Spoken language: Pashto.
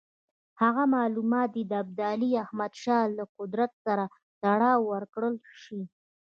هغه معلومات دې د ابدالي احمدشاه له قدرت سره تړاو ورکړل شي.